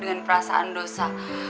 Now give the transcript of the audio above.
dengan perasaan dosa